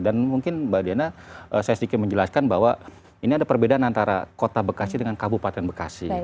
dan mungkin mbak diana saya sedikit menjelaskan bahwa ini ada perbedaan antara kota bekasi dengan kabupaten bekasi